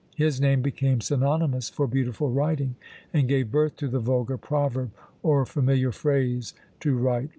His name became synonymous for beautiful writing, and gave birth to the vulgar proverb or familiar phrase to write like an angel!